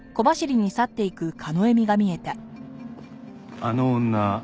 あの女